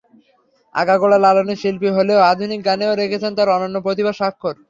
আগাগোড়া লালনের শিল্পী হলেও আধুনিক গানেও রেখেছেন তার অনন্য প্রতিভার স্বাক্ষর।